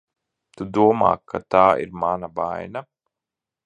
Tu domā, ka tā ir mana vaina?